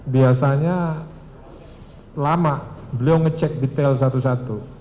biasanya lama beliau ngecek detail satu satu